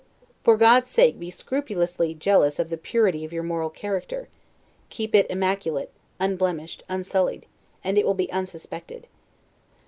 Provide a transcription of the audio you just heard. For God's sake be scrupulously jealous of the purity of your moral character; keep it immaculate, unblemished, unsullied; and it will be unsuspected.